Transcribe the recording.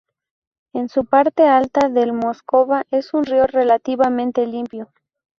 En su parte alta el Moscova es un río relativamente limpio.